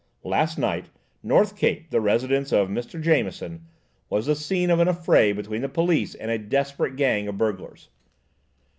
"Last night, 'North Cape,' the residence of Mr. Jameson, was the scene of an affray between the police and a desperate gang of burglars.